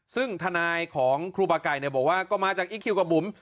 ซึ่งทนายของครูบาไก่บอกว่าก็มาจากอีคคิวกับบุ๋ม